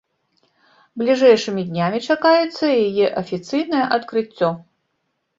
Бліжэйшымі днямі чакаецца яе афіцыйнае адкрыццё.